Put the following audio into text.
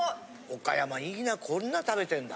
岡山いいなこんな食べてんだ。